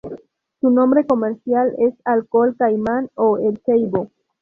Su nombre comercial es alcohol Caimán o El Ceibo.